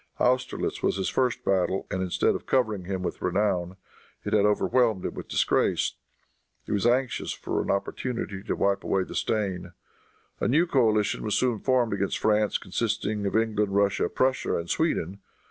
Austerlitz was his first battle; and instead of covering him with renown it had overwhelmed him with disgrace. He was anxious for an opportunity to wipe away the stain. A new coalition was soon formed against France, consisting of England, Russia, Prussia and Sweden.